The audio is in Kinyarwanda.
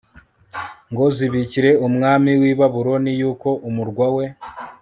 ngo zibikire umwami w i Babuloni yuko umurwa we